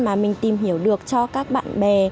mà mình tìm hiểu được cho các bạn bè